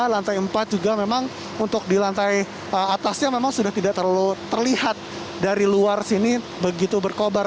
lantai empat juga memang untuk di lantai atasnya memang sudah tidak terlalu terlihat dari luar sini begitu berkobar